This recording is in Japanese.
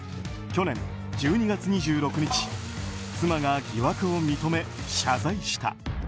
去年１２月２６日妻が疑惑を認め謝罪した。